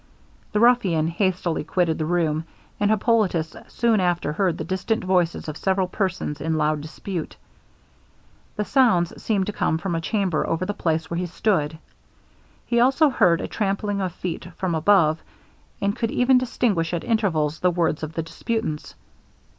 The ruffian hastily quitted the room, and Hippolitus soon after heard the distant voices of several persons in loud dispute. The sounds seemed to come from a chamber over the place where he stood; he also heard a trampling of feet from above, and could even distinguish, at intervals, the words of the disputants.